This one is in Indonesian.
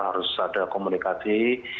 harus ada komunikasi